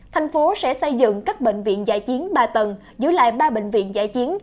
thành phố sẽ xây dựng các bệnh viện dạy chiến ba tầng giữ lại ba bệnh viện dạy chiến